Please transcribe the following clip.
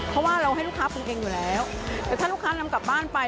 เพราะว่าเราให้ลูกค้าปรุงเองอยู่แล้วแต่ถ้าลูกค้านำกลับบ้านไป